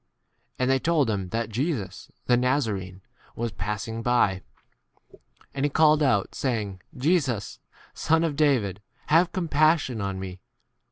37 And they told him that Jesus the 38 Nazaraean was passing by. And he called out, saying, Jesus, Son of David, have compassion on me.